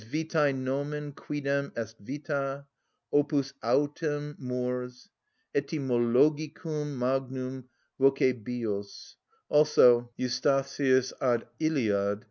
(Vitæ nomen quidem est vita, opus autem mors. Etymologicum magnum, voce Βιος; also _Eustath. ad Iliad.